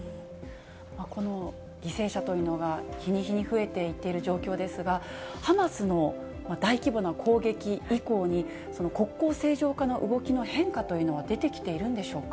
この犠牲者というのが、日に日に増えていってる状況ですが、ハマスの大規模な攻撃以降に、国交正常化の動きの変化というのは出てきているんでしょうか。